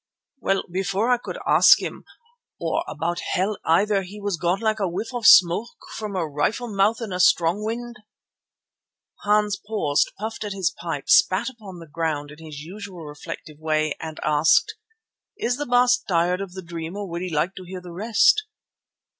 "Well, before I could ask him, or about hell either, he was gone like a whiff of smoke from a rifle mouth in a strong wind." Hans paused, puffed at his pipe, spat upon the ground in his usual reflective way and asked: "Is the Baas tired of the dream or would he like to hear the rest?"